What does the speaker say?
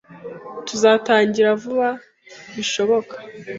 Tuzatangira vuba bishoboka